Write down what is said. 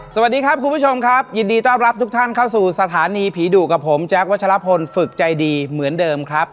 สวัสดีครับคุณผู้ชมครับยินดีต้อนรับทุกท่านเข้าสู่สถานีผีดุกับผมแจ๊ควัชลพลฝึกใจดีเหมือนเดิมครับ